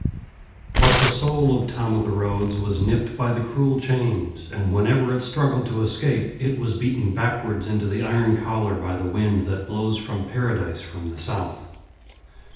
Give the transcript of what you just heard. But the soul of Tom o' the Roads was nipped by the cruel chains, and whenever it struggled to escape it was beaten backwards into the iron collar by the wind that blows from Paradise from the south.